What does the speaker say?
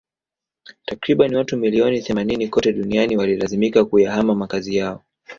Takribani watu milioni themanini kote duniani walilazimika kuyahama makazi yao